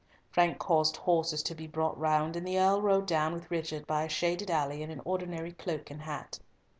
Frank caused horses to be brought round, and the Earl rode down with Richard by a shaded alley in an ordinary cloak and hat.